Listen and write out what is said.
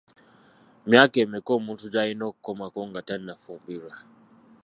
Myaka emeka omuntu gy'alina okukomako nga tannafumbirwa?